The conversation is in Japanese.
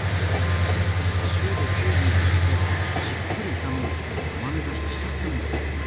塩で水分が抜けじっくり炒めることで甘みが引き立つんですって。